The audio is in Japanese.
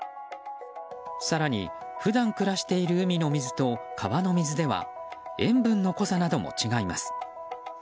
更に、普段暮らしている海の水と川の水では塩分の濃さなども違います。